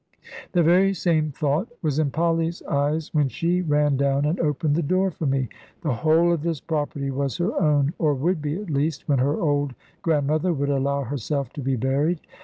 The very same thought was in Polly's eyes when she ran down and opened the door for me. The whole of this property was her own; or would be, at least, when her old grandmother would allow herself to be buried.